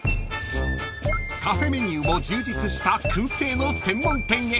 ［カフェメニューも充実した燻製の専門店へ］